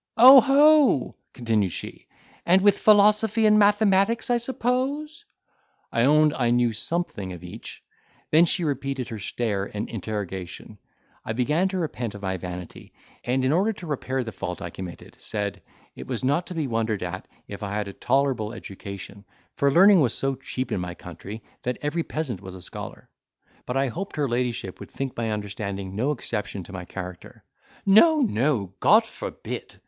"Oho!" continued she, "and with philosophy and mathematics, I suppose?" I owned I knew something of each. Then she repeated her stare and interrogation. I began to repent of my vanity, and in order to repair the fault I committed, said, it was not to be wondered at if I had a tolerable education, for learning was so cheap in my country, that every peasant was a scholar; but, I hoped her Ladyship would think my understanding no exception to my character. "No, no, God forbid."